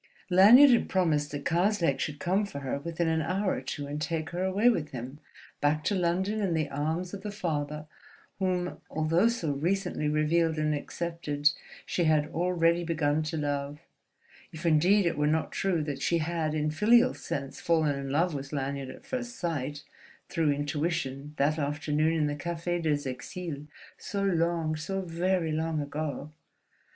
Lanyard had promised that Karslake should come for her within an hour or two and take her away with him, back to London and the arms of the father whom, although so recently revealed and accepted, she had already begun to love; if indeed it were not true that she had in filial sense fallen in love with Lanyard at first sight, through intuition, that afternoon in the Café des Exiles so long, so very long ago!